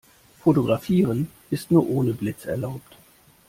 Fotografieren ist nur ohne Blitz erlaubt.